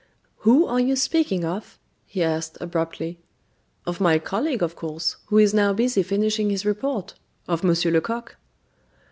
"Who are you speaking of?" he asked abruptly. "Of my colleague, of course, who is now busy finishing his report of Monsieur Lecoq."